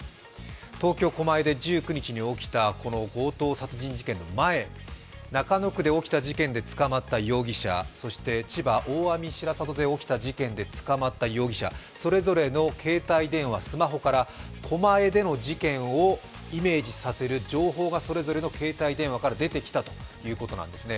東京・狛江で１９日に起きた強盗殺人事件の前、中野区で起きた事件で捕まった容疑者、そして千葉・大網白里で起きた事件で捕まった容疑者、それぞれの携帯電話、スマホから狛江での事件をイメージさせる情報がそれぞれの携帯電話から出てきたということなんですね。